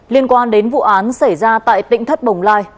liên quan đến vụ án xảy ra tại tỉnh thất bồng lai